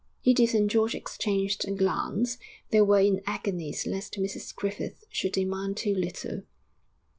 Edith and George exchanged a glance; they were in agonies lest Mrs Griffith should demand too little.